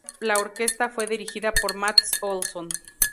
La orquesta fue dirigida por Mats Olsson.